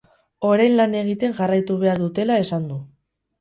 Orain lan egiten jarraitu behar dutela esan du.